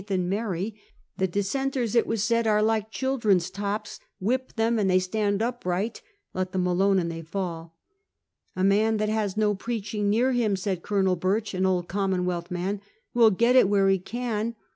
and Mary;* against it. the Dissenters, it was said, ' are like children's tops ; whip them and they stand upright, let them alone and they fall.* * A man that has no preaching near him, 1 1670. The Lords' Provisos. 175 said Colonel Birch, an old Commonwealth man, 4 will get it where he can.